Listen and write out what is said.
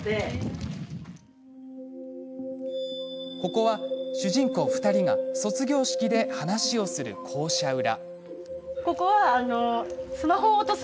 ここは、主人公２人が卒業式で話をする校舎裏。